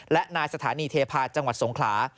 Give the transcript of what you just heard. และนายสถานีเทพาะจังหวัดสงขลา